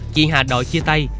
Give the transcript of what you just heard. chị hà đòi chia tay